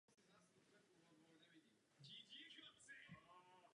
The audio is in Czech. S domácím násilím se nesmí nakládat jako se soukromou záležitostí.